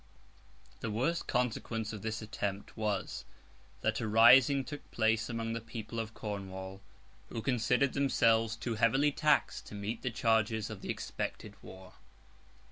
The worst consequence of this attempt was, that a rising took place among the people of Cornwall, who considered themselves too heavily taxed to meet the charges of the expected war.